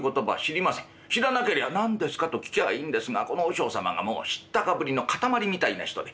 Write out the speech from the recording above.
知らなけりゃ「何ですか？」と聞きゃあいいんですがこの和尚様がもう知ったかぶりの固まりみたいな人で。